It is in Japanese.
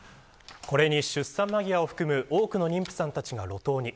これに出産間際を含む多くの妊婦さんたちが路頭に。